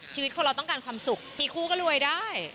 ชีวิตคนเราต้องการความสุขมีคู่ก็รวยได้